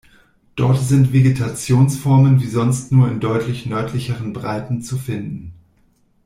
Dort sind Vegetationsformen wie sonst nur in deutlich nördlicheren Breiten zu finden.